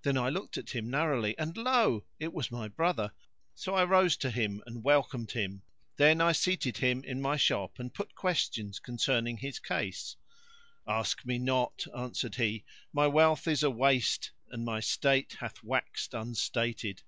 Then I looked at him narrowly, and lo! it was my brother, so I rose to him and welcomed him; then I seated him in my shop and put questions concerning his case. "Ask me not," answered he; "my wealth is awaste and my state hath waxed unstated!"